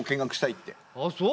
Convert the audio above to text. ああそう。